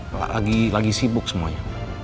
lagi lagi sibuk semuanya